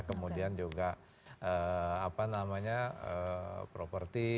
kemudian juga apa namanya properti